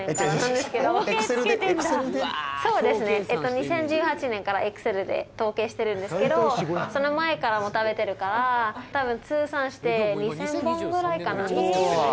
そうですね２０１８年からＥｘｃｅｌで統計してるんですけどその前からも食べてるから多分通算して２０００本ぐらいかなうわ